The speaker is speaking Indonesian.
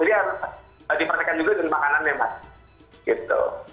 jadi dipartikan juga dengan makanan lemak gitu